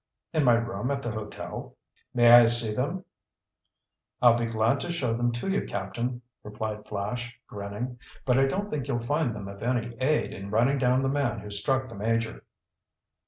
"In my room at the hotel." "May I see them?" "I'll be glad to show them to you, Captain," replied Flash, grinning. "But I don't think you'll find them of any aid in running down the man who struck the Major."